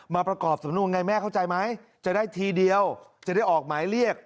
ประกอบสำนวนไงแม่เข้าใจไหมจะได้ทีเดียวจะได้ออกหมายเรียก